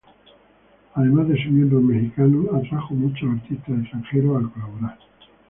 Además de sus miembros Mexicanos, atrajo muchos artistas extranjeros a colaborar.